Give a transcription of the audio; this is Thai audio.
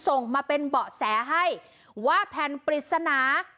ส่งมาเป็นเบาะแสให้ว่าแผ่นปริศนา